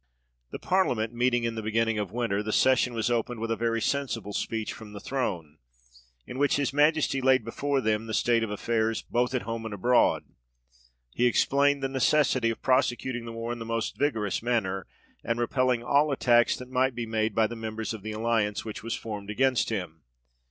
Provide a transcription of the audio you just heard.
The Parliament meeting in the beginning of winter, the session was opened with a very sensible speech from the throne, in which his Majesty laid before them the state of affairs, both at home and abroad ; he explained the necessity of prosecuting the war in the most vigorous manner, and repelling all attacks that mig^t be made F 66 THE REIGN OF GEORGE VI. by the members of the alliance which was formed against him.